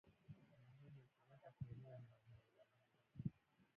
Ameahidi kuweka sheria zinazowazuia